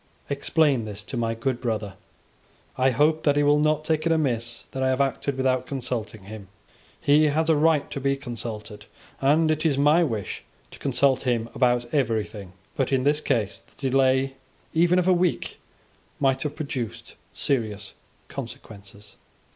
Explain this to my good brother. I hope that he will not take it amiss that I have acted without consulting him. He has a right to be consulted; and it is my wish to consult him about everything. But in this case the delay even of a week might have produced serious consequences."